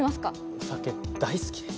お酒大好きです。